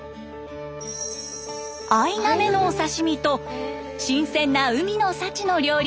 アイナメのお刺身と新鮮な海の幸の料理です。